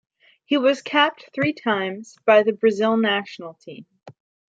He was capped three times by the Brazil national team.